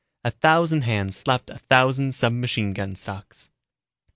A thousand hands slapped a thousand submachine gun stocks.